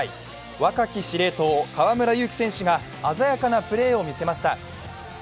若き司令塔、河村勇輝選手が鮮やかなプレーを見せました。